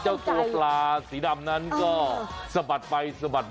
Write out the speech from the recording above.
เจ้าตัวปลาสีดำนั้นก็สะบัดไปสะบัดมา